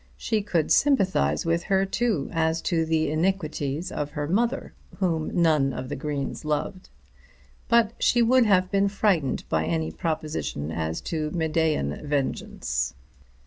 She could sympathise with her too, as to the iniquities of her mother, whom none of the Greens loved. But she would have been frightened by any proposition as to Medean vengeance.